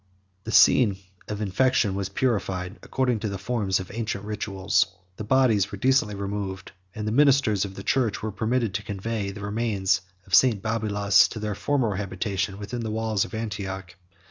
113 The scene of infection was purified, according to the forms of ancient rituals; the bodies were decently removed; and the ministers of the church were permitted to convey the remains of St. Babylas to their former habitation within the walls of Antioch.